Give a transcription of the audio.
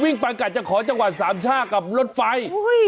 วิ่งปาร์งัดของจังหวัดสามชาติกับรถไฟ